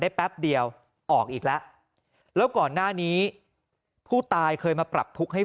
แป๊บเดียวออกอีกแล้วแล้วก่อนหน้านี้ผู้ตายเคยมาปรับทุกข์ให้